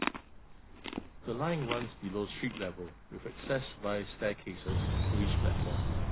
The line runs below street level with access via staircases to each platform.